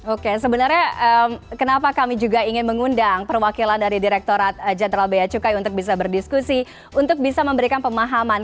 oke sebenarnya kenapa kami juga ingin mengundang perwakilan dari direkturat jenderal beacukai untuk bisa berdiskusi untuk bisa memberikan pemahaman